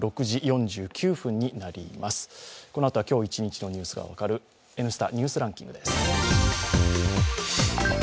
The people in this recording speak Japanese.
このあとは今日一日のニュースがわかる「Ｎスタ・ニュースランキング」です。